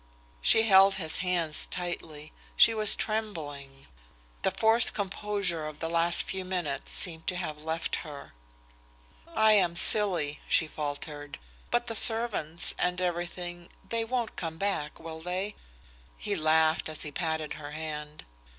She held his hands tightly. She was trembling. The forced composure of the last few minutes seemed to have left her. "I am silly," she faltered, "but the servants and everything they won't come back, will they?" He laughed as he patted her hand.